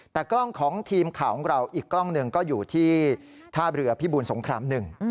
แต่กล้องของทีมข่าวของเราอีกกล้องหนึ่งก็อยู่ที่ท่าเรือพิบูลสงครามหนึ่ง